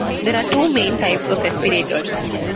There are two main types of respirators.